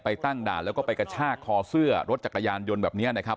ตั้งด่านแล้วก็ไปกระชากคอเสื้อรถจักรยานยนต์แบบนี้นะครับ